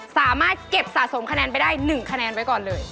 สามารถเก็บสะสมคะแนนไปได้๑คะแนนไว้ก่อนเลย